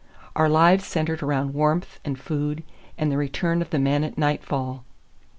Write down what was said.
Our lives centered around warmth and food and the return of the men at nightfall.